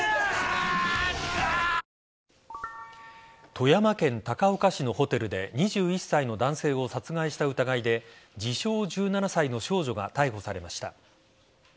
富山県高岡市のホテルで２１歳の男性を殺害した疑いで自称１７歳の少女が逮捕されました。